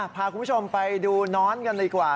พาคุณผู้ชมไปดูน้อนกันดีกว่า